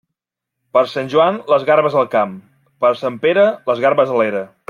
Per sant Joan, les garbes al camp; per sant Pere, les garbes a l'era.